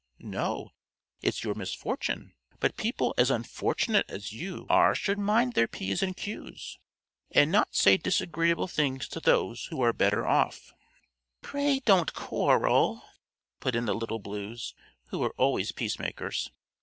"No; it's your misfortune. But people as unfortunate as you are should mind their P's and Q's, and not say disagreeable things to those who are better off." "Pray don't quarrel," put in the Little Blues, who were always peacemakers.